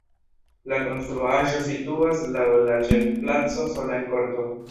La konstruaĵo situas laŭ la ĉefplaco sola en korto.